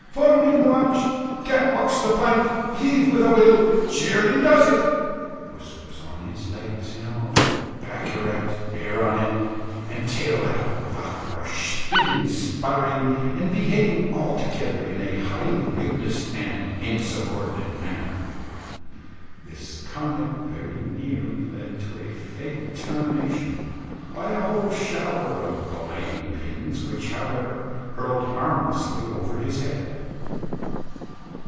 "Forenoon watch, cat walks the plank, heave with a will cheerily does it." Puss was on his legs in a moment, back erect, hair on end, and tail like a bottle brush, spitting, sputtering, and behaving altogether in a "highly mutinous and insubordinate" manner. This conduct very nearly led to a fatal termination, by a whole shower of belaying pins, which, however, hurtled harmlessly over his head.